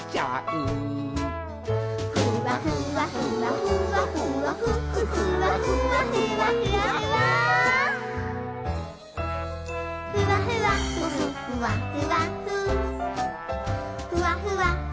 「ふわふわふふふわふわふふわふわふふふわふわふ」